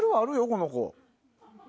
この子。